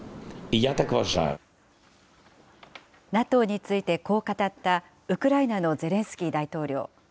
ＮＡＴＯについてこう語った、ウクライナのゼレンスキー大統領。